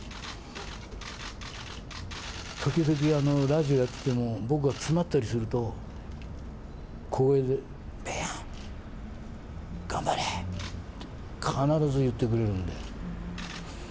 時々、ラジオやってても、僕が詰まったりすると、小声で、ベーヤン、頑張れって、必ず言ってくれるんで。